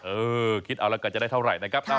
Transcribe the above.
เออคิดเอาละกันจะได้เท่าไหร่นะครับ